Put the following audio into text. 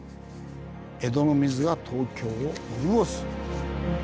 「江戸の水が東京を潤す？」。